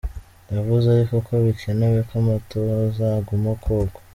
Yavuze ariko ko bikenewe ko amatohoza aguma akogwa.